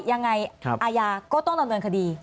ยังไงอาญาก็ต้องดำเนินคดี